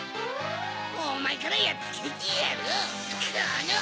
おまえからやっつけてやる！